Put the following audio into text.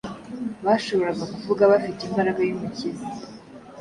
Bashoboraga kuvuga bafite imbaraga y’Umukiza;